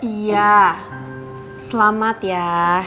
iya selamat ya